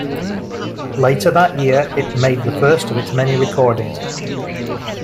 Later that year it made the first of its many recordings.